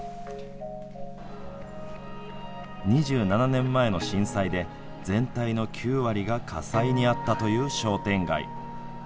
２７年前の震災で、全体の９割が火災に遭ったという商店街。